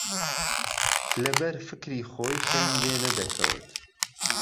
له بەر فکری خۆی خەوی لێ نهدهکهوت